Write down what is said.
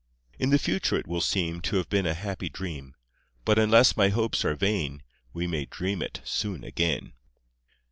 In the future it will seem To have been a happy dream, But unless my hopes are vain We may dream it soon again.